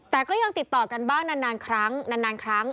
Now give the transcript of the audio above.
แต่ก็ยังติดต่อกันบ้างนานครั้งนานครั้ง